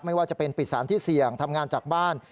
ไม่ว่าจะเป็นปิดสารที่เสี่ยงทำงานจากบ้าน